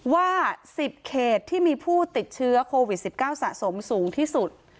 ว่า๑๐เขตที่มีผู้ติดเชื้อโควิด๑๙สะสมสูงที่สุด